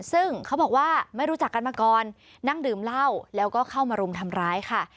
ซึ่งเขาบอกว่าไม่รู้จักกันมาก่อนนั่งดื่มเหล้าแล้วก็เข้ามารุมทำร้ายค่ะ